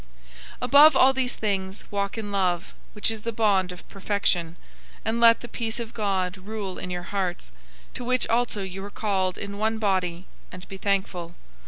003:014 Above all these things, walk in love, which is the bond of perfection. 003:015 And let the peace of God rule in your hearts, to which also you were called in one body; and be thankful.